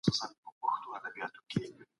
مالګه اوبه غرغره کړئ